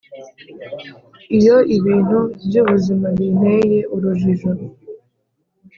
iyo ibintu byubuzima binteye urujijo,